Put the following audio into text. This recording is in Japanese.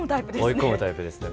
追い込むタイプですね